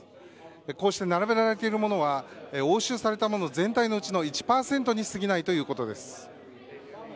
こうして並べられているものは押収されたもの全体のうちの１％にしかすぎないということです。